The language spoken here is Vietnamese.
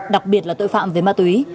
đặc biệt là tội phạm về ma túy